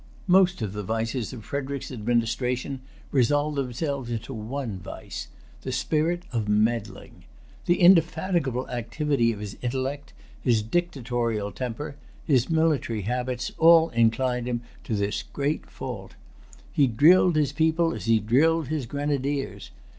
Most of the vices of Frederic's administration resolve themselves into one vice,—the spirit of meddling. The indefatigable activity of his intellect, his dictatorial temper, his military habits, all inclined him to this great[Pg 277] fault. He drilled his people as he drilled his grenadiers.